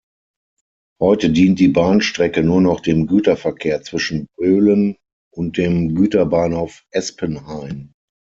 Heute dient die Bahnstrecke nur noch dem Güterverkehr zwischen Böhlen und dem Güterbahnhof Espenhain.